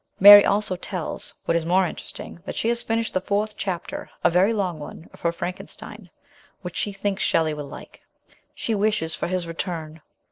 Mary also tells, what is more interesting, that she has finished the fourth chapter, a very long one, of her Frankenstein, which she thinks Shelley will like. She wishes for his return.